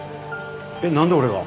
えっなんで俺が？